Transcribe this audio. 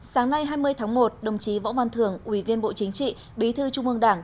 sáng nay hai mươi tháng một đồng chí võ văn thường ủy viên bộ chính trị bí thư trung ương đảng